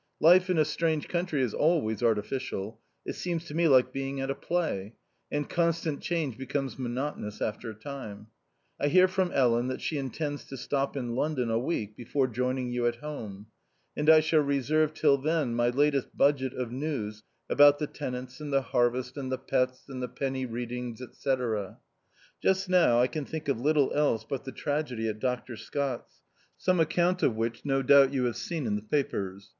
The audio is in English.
Life in a strange country is always artificial — it seems to me like being at a play — and constant change becomes monotonous after a time. I bear from Ellen tbat she intends to stop in London a week before joining you at home ; and 1 shall reserve till then my latest budget of news about the tenants, and the harvest, and the pets, and the penny readings, &c. Just now I can think of little else but the tragedy at Dr. Scott's, some account of A 653232 2 THE OUTCAST. which no doubt you have seen in the papers.